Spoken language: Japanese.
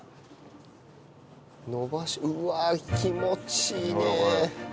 伸ばしうわ気持ちいいね！